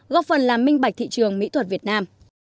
góp phần làm minh bạch thị trường mỹ thuật việt nam